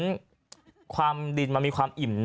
สาเหตุแรกคือน่าจะมาจากการที่เสาของสารพระภูมิเนี่ยไม่มีเหล็กเส้น